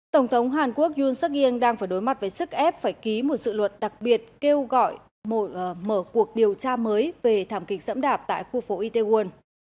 tổng thống hàn quốc yoon seok in đang phải đối mặt với sức ép phải ký một sự luật đặc biệt kêu gọi mở cuộc điều tra mới về thảm kịch dẫm đạp tại khu phố itaewon